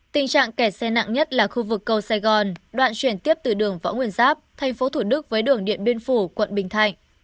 tình trạng kẹt xe nặng nhất là khu vực cầu sài gòn đoạn chuyển tiếp từ đường võ nguyên giáp thành phố thủ đức với đường điện biên phủ quận bình thạnh